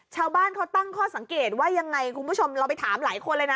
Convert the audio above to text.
ชาวบ้านเขาตั้งข้อสังเกตว่ายังไงคุณผู้ชมเราไปถามหลายคนเลยนะ